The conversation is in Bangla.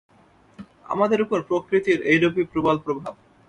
আমাদের উপর প্রকৃতির এইরূপই প্রবল প্রভাব।